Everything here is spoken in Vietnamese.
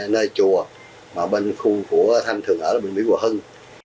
nơi chùa mà bên khu của thanh thường ở bên mỹ hòa hưng